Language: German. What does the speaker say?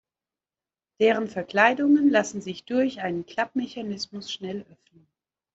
Deren Verkleidungen lassen sich durch einen Klappmechanismus schnell öffnen.